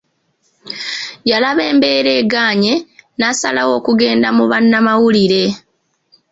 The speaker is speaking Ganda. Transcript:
Yalaba embeera egaanye, n’asalawo okugenda mu bannamawulire.